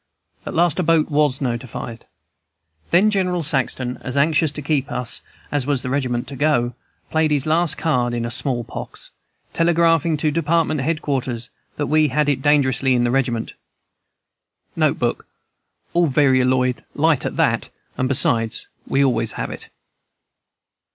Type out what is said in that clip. At last a boat was notified. "Then General Saxton, as anxious to keep us as was the regiment to go, played his last card in small pox, telegraphing to department head quarters that we had it dangerously in the regiment. (N. B. All varioloid, light at that, and besides, we always have it.)